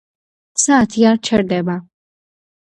საათი არ ჩერდება